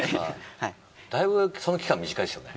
だいぶその期間短いですよね。